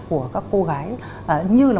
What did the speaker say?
của các cô gái như là